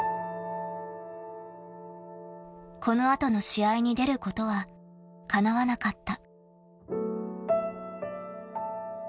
［この後の試合に出ることはかなわなかった］